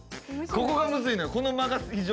ここがむずいのよ